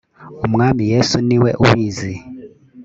umwami yesu niwe ubizi.